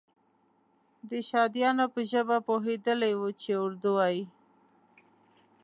د شهادیانو په ژبه پوهېدلی وو چې اردو وایي.